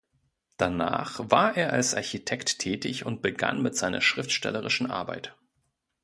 Danach war er als Architekt tätig und begann mit seiner schriftstellerischen Arbeit.